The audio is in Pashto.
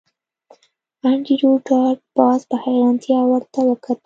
انډریو ډاټ باس په حیرانتیا ورته وکتل